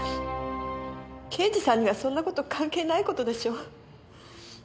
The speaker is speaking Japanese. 刑事さんにはそんな事関係ない事でしょう？